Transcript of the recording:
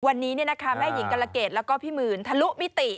วันนี้แม่หญิงกรเกตแล้วก็พี่หมื่นทะลุมิติ